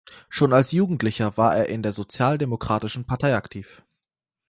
Schon als Jugendlicher war er in der Sozialdemokratischen Partei aktiv.